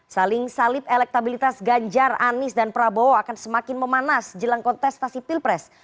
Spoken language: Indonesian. saling salib elektabilitas ganjar anies dan prabowo akan semakin memanas jelang kontestasi pilpres